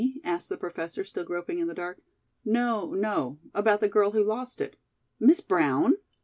asked the Professor, still groping in the dark. "No, no; about the girl who lost it." "Miss Brown?"